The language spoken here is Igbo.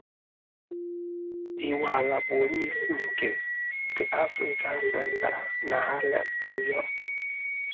Iweala bụ onye isi nke "The Africa Center" na Harlem, New York.